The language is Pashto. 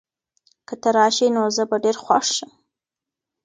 که ته راشې، نو زه به ډېر خوښ شم.